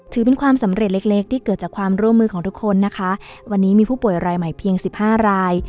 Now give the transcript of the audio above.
ถือเป็นความสำเร็จเล็กเล็กที่เกิดจากความร่วมมือของทุกคนนะคะวันนี้มีผู้ป่วยรายใหม่เพียงสิบห้าราย